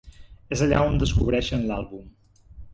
És allà on descobreixen l'àlbum.